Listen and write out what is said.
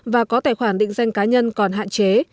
và có tài khoản định danh cá nhân còn hạn chế